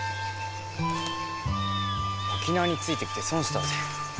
沖縄についてきて損したぜ。